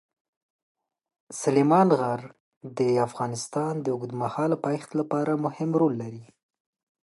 سلیمان غر د افغانستان د اوږدمهاله پایښت لپاره مهم رول لري.